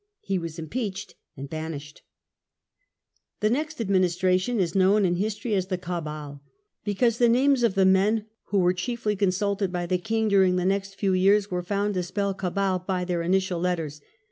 He was impeached and banished. The next administration is known in history as the "Cabal", because the names of the men who were The "Cabal", chiefly Consulted by the king during the next 1667 1673. few years were found to spell CabaP by their initial letters.